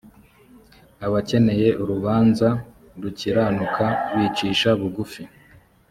abakeneye urubanza rukiranuka bicisha bugufi.